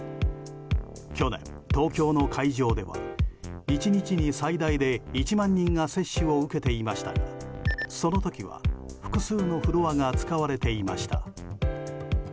去年、東京の会場では１日に最大で１万人が接種を受けていましたがその時は、複数のフロアが使われていました。